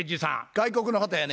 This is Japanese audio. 外国の方やね？